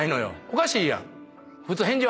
おかしいやん。